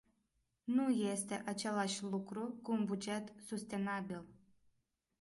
Nu este același lucru cu un buget sustenabil.